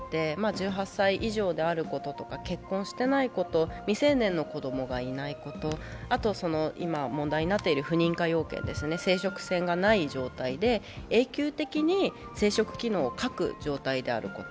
１８歳以上であることとか、結婚してないこと、未成年の子供がいないこと、あと今問題になっている生殖腺がない状態で永久的に生殖機能を欠く状態であること。